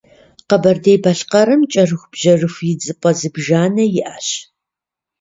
Къэбэрдей-Балъкъэрым кӏэрыхубжьэрыху идзыпӏэ зыбжанэ иӏэщ.